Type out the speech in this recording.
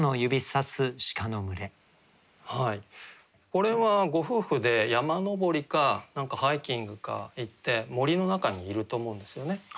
これはご夫婦で山登りかハイキングか行って森の中にいると思うんですよね。